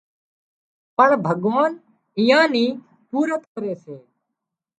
پڻ ڀڳوان ايئان نِي پُورت ڪري سي